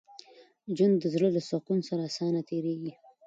ژوند د زړه له سکون سره اسانه تېرېږي.